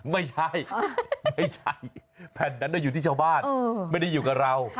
ไม่ใช่ไม่ใช่แผ่นนั้นอยู่ที่ชาวบ้านไม่ได้อยู่กับเรา